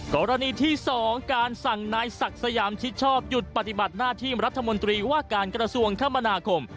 กรณีที่๒การสั่งนายศักดิ์สยามชิดชอบหยุดปฏิบัติหน้าที่รัฐมนตรีว่าการกระทรวงคมนาคม